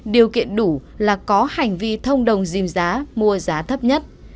điều kiện đủ là có hành vi thông đồng dìm giá mua giá thấp nhất